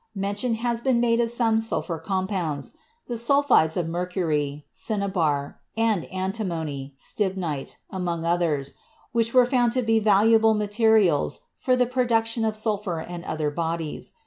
Mention has been made of some sulphur compounds, the sulphides of mercury (cinnabar) and antimony (stib 56 CHEMISTRY nite) among others, which were found to be valuable materials for the production of sulphur and other bodies.